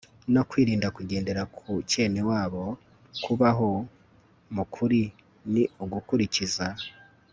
no kwirinda kugendera ku kenewabo. kubaho mu kuri ni ugukurikiza